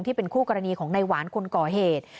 ที่เป็นคู่กรณีของในหวานคนก่อเหตุ